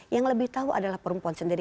yang lebih tahu adalah perempuan sendiri